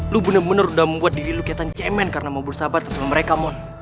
lu bener bener udah membuat diri lu keliatan cemen karena mau bersahabatan sama mereka mon